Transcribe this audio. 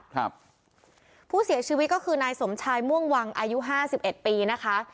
ผู้เสียชีวิตก็คือนายสมชายม่วงวังอายุ๕๑ปีนะคะ